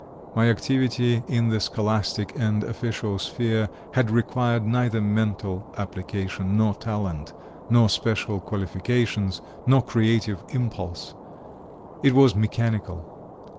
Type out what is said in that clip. My activity in the scholastic and official sphere had required neither mental application nor talent, nor special qualifications, nor creative impulse; it was mechanical.